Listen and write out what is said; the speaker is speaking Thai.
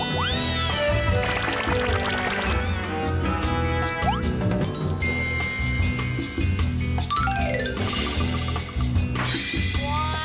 ว้าว